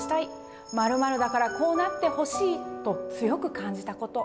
「〇〇だからこうなってほしい！」と強く感じたこと。